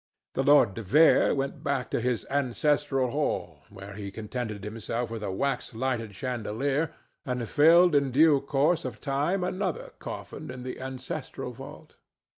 The lord De Vere went back to his ancestral hall, where he contented himself with a wax lighted chandelier, and filled in due course of time another coffin in the ancestral vault.